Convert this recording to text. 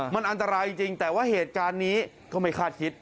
มันอันตรายจริงแต่ว่าเหตุการณ์นี้ก็ไม่คาดคิด